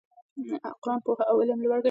قرآن پوهه او علم لوړ ګڼي.